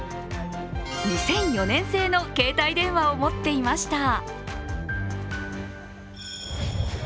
２００４年製の携帯電話を持っていました。